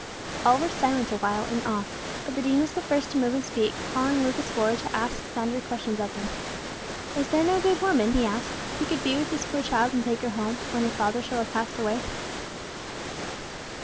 All were silent a while in awe, but the Dean was the first to move and speak, calling Lucas forward to ask sundry questions of him. "Is there no good woman," he asked, "who could be with this poor child and take her home, when her father shall have passed away?"